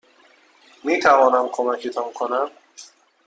میتوانم کمکتان کنم؟